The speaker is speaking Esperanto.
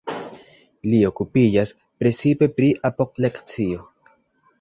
Li okupiĝas precipe pri apopleksio.